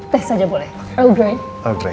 teh saja boleh earl grey